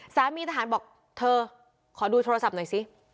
สามีทหารบอกเธอขอดูโทรศัพท์หน่อยสิ